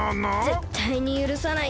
ぜったいにゆるさない。